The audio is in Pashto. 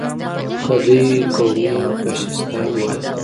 که دوی قومي فشیستان وای.